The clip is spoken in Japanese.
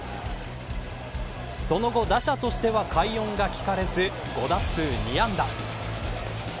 その後、打者としては快音が聞かれず５打数２安打。